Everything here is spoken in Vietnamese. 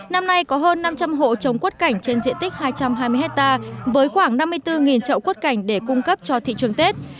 năm nay có hơn năm trăm linh hộ trồng quất cảnh trên diện tích hai trăm hai mươi hectare với khoảng năm mươi bốn trậu quất cảnh để cung cấp cho thị trường tết